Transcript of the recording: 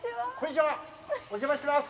お邪魔してます！